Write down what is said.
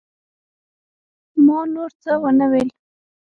ما نور څه ونه ويل.